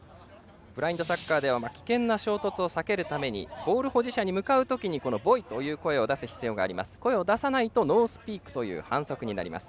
ブラインドサッカーでは危険な衝突を避けるためボール保持者に向かうときにボイという声を出さなきゃいけないというルールがあります。